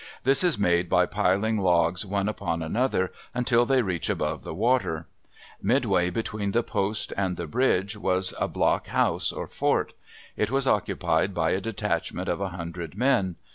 This is made by piling logs one upon another until they reach above the water. Midway between the post and the bridge there was a block house or fort. It was occupied by a detachment of a hundred men.